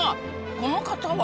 この方は？